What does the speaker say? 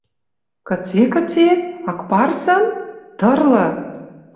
«Кыце, кыце?.. Акпарсын?.. Тырлы...»